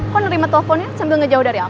kok nerima teleponnya sambil ngejauh dari aku